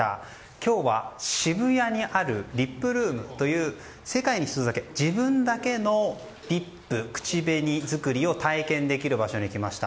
今日は渋谷にあるリップルームという世界に１つだけの口紅作りを体験できる場所に来ました。